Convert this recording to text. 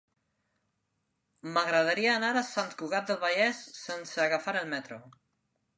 M'agradaria anar a Sant Cugat del Vallès sense agafar el metro.